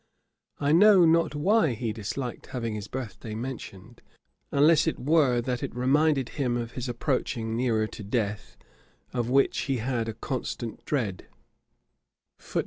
I know not why he disliked having his birth day mentioned, unless it were that it reminded him of his approaching nearer to death, of which he had a constant dread.